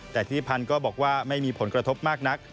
แต่ธิริพันธ์ก็บอกว่าไม่มีผลกระทบมากนัก